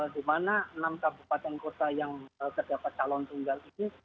dimana enam kabupaten kota yang terdapat calon tunggal itu